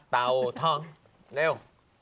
เต่าทองเร็ว